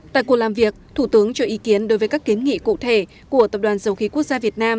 tại cuộc làm việc thủ tướng cho ý kiến đối với các kiến nghị cụ thể của tập đoàn dầu khí quốc gia việt nam